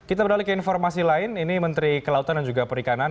kita beralih ke informasi lain ini menteri kelautan dan juga perikanan